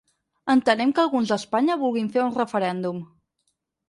Entenem que alguns a Espanya vulguin fer un referèndum.